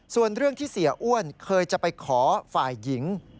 ส่วนเรื่องที่เสียอ้วนเคยจะไปขอฝ่ายหญิง